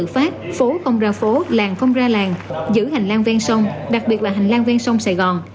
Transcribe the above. phát phố không ra phố làng không ra làng giữ hành lang ven sông đặc biệt là hành lang ven sông sài gòn